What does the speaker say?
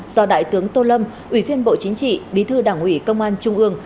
do đại tướng tô lâm ủy viên bộ chính trị bí thư đảng ủy công an trung ương